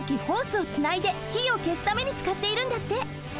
ホースをつないでひをけすためにつかっているんだって。